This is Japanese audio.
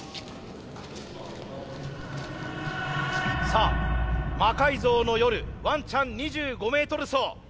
さあ「魔改造の夜」「ワンちゃん２５Ｍ走」。